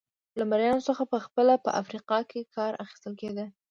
له مریانو څخه په خپله په افریقا کې کار اخیستل کېده.